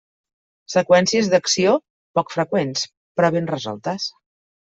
Seqüències d'acció poc freqüents, però ben resoltes.